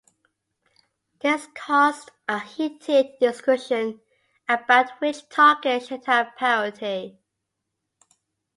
This caused a heated discussion about which target should have priority.